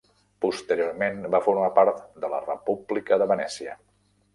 Posteriorment va formar part de la República de Venècia.